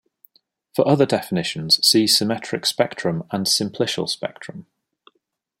For other definitions, see symmetric spectrum and simplicial spectrum.